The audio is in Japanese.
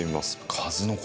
数の子。